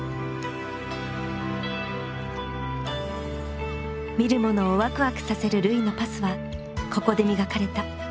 見る者をわくわくさせる瑠唯のパスはここで磨かれた。